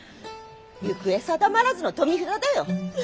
行方定まらずの富札だよ。